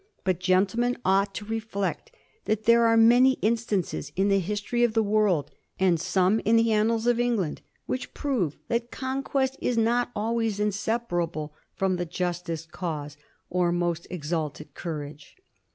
But gentlemen ought to reflect that there are many instances in the history of the world, and some in the annals of England, which prove that conquest is not always inseparable from the justest cause or most exalted courage."